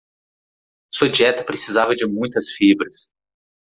Sua dieta precisava de muitas fibras